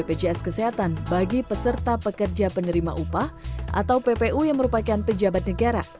dan menambah iuran bpjs kesehatan bagi peserta pekerja penerima upah atau ppu yang merupakan pejabat negara